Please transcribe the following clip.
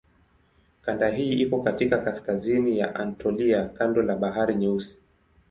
Kanda hii iko katika kaskazini ya Anatolia kando la Bahari Nyeusi.